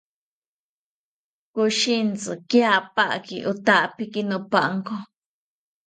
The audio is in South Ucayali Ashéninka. Koshintzi kiapaki otapiki nopanko